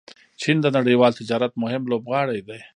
چین د نړیوال تجارت مهم لوبغاړی دی.